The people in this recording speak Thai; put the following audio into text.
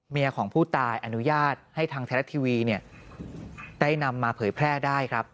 ของผู้ตายอนุญาตให้ทางไทยรัฐทีวีได้นำมาเผยแพร่ได้ครับ